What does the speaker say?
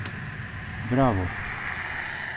Μπράβο!